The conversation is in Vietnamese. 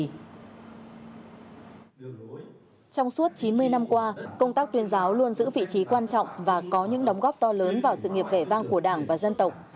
trong suốt chín mươi năm qua công tác tuyên giáo luôn giữ vị trí quan trọng và có những đóng góp to lớn vào sự nghiệp vẻ vang của đảng và dân tộc